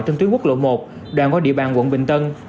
trên tuyến quốc lộ một đoạn qua địa bàn quận bình tân